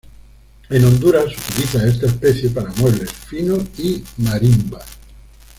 En Honduras se utiliza esta especie para muebles finos y marimbas.